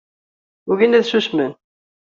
Ugin ad susmen